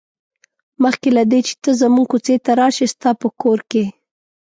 مخکې له دې چې ته زموږ کوڅې ته راشې ستا په کور کې.